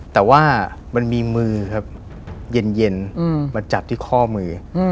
แต่ว่ามันมีมือครับเย็นมาจับที่ข้อมือ